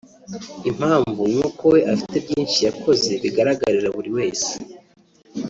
Impamvu ni uko we afite byinshi yakoze bigaragarira buri wese